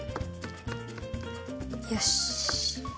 よし。